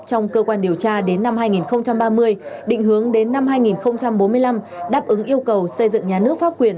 trong cơ quan điều tra đến năm hai nghìn ba mươi định hướng đến năm hai nghìn bốn mươi năm đáp ứng yêu cầu xây dựng nhà nước pháp quyền